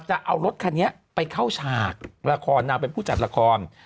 จะเอารถคันนี้ไปเข้าฉากละครนางเป็นผู้จัดละคร